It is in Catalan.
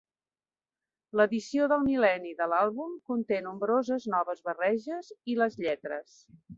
L'edició del mil·lenni de l'àlbum conté nombroses noves barreges i les lletres.